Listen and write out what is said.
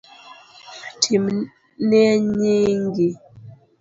Timnie nyingi